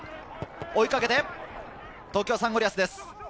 追いかけて、東京サンゴリアスです。